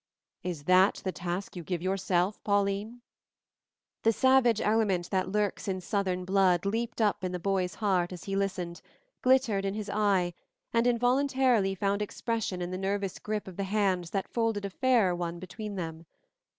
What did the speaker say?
"Is that the task you give yourself, Pauline?" The savage element that lurks in southern blood leaped up in the boy's heart as he listened, glittered in his eye, and involuntarily found expression in the nervous grip of the hands that folded a fairer one between them.